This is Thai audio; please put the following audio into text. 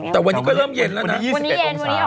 แต่วันนี้ก็เริ่มเย็นแล้วนะ